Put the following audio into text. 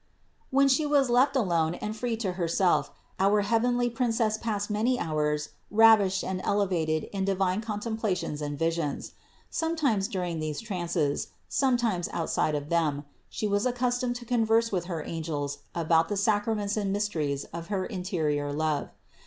244. When She was left alone and free to Herself our heavenly Princess passed many hours ravished and elevated in divine contemplations and visions. Some times during these trances, sometimes outside of them, She was accustomed to converse with her angels about the sacraments and mysteries of her interior love.